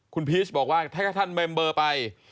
คุณพีชบอกว่าถ้าท่านเมมเบอร์ไป